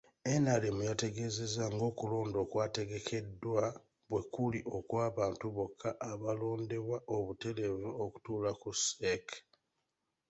NRM yateegezezza ng'okulonda okwategekeddwa bwe kuli okw'abantu bokka abalondebwa obutereevu okutuula ku CEC.